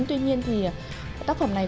tuy nhiên thì tác phẩm này